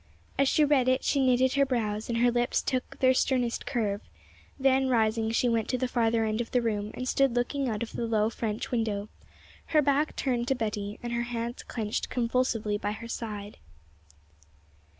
As she read it, she knitted her brows, and her lips took their sternest curve; then rising she went to the farther end of the room, and stood looking out of the low French window, her back turned to Betty, and her hands clenched convulsively by her side.